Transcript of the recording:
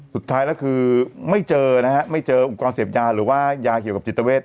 สุดท้ายแล้วคือไม่เจอนะฮะไม่เจออุปกรณ์เสพยาหรือว่ายาเกี่ยวกับจิตเวท